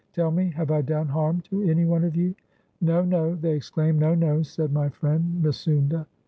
Tell me, have I done harm to any one of you? " "No, no," they exclaimed; "no, no," said my friend Misounda.